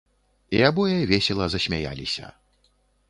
І абое весела засмяяліся.